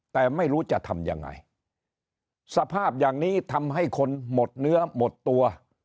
แต่ไม่รู้จะทำยังไงสภาพอย่างนี้ทำให้คนหมดเนื้อหมดตัว